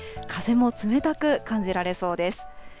風も冷たく感じられそうです。